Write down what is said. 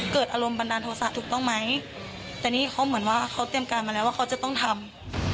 เกิดอารมณ์บันดาลโทษะถูกต้องไหมแต่นี่เขาเหมือนว่าเขาเตรียมการมาแล้วว่าเขาจะต้องทำ